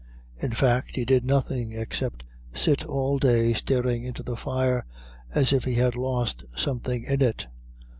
In fact, he did nothing except sit all day staring into the fire, as if he had lost something in it.